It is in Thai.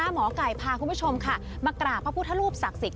หมอไก่พาคุณผู้ชมค่ะมากราบพระพุทธรูปศักดิ์สิทธิ